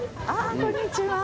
こんにちは。